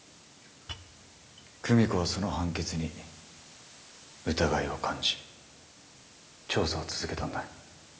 久美子はその判決に疑いを感じ調査を続けたんだ。